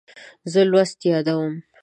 زه لوست یادوم.